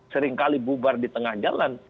seringkali bubar di tengah jalan